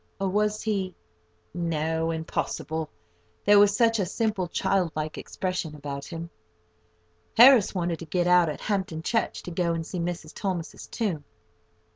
or was he—no, impossible! there was such a simple, child like expression about him! Harris wanted to get out at Hampton Church, to go and see Mrs. Thomas's tomb.